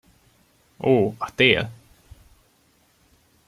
Ó, a tél!